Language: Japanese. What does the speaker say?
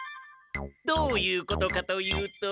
どういうことかというと。